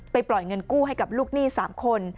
ปล่อยเงินกู้ให้กับลูกหนี้๓คน